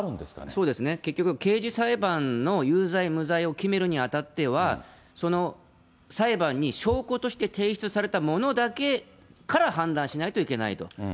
そうですね、結局刑事裁判の有罪、無罪を決めるにあたっては、その裁判に証拠として提出されたものだけから判断しないといけないと。